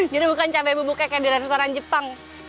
jadi bukan cabai bumbu kecap kayak di restoran jepang